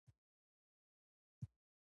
پکورې له وچو سبو سره هم جوړېږي